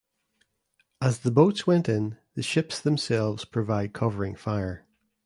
As the boats went in the ships themselves provide covering fire.